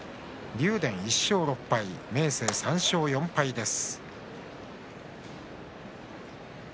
竜電１勝６敗明生３勝４敗です。